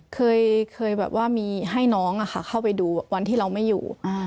เคยแบบว่ามีให้น้องเข้าไปดูวันที่เราไม่อยู่